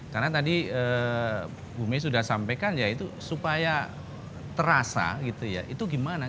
karena tadi bume sudah sampaikan ya itu supaya terasa gitu ya itu gimana